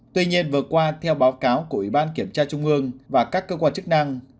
tuy nhiên vừa qua theo báo cáo của ủy ban kiểm tra trung ương và các cơ quan chức năng